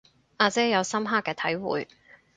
阿姐有深刻嘅體會